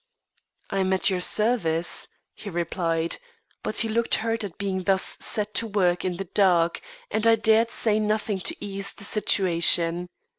"I'm at your service," he replied; but he looked hurt at being thus set to work in the dark, and I dared say nothing to ease the situation.